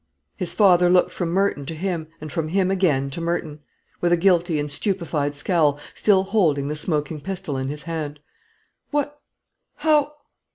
His father looked from Merton to him, and from him again to Merton, with a guilty and stupefied scowl, still holding the smoking pistol in his hand. "What how!